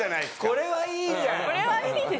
これはいいじゃん。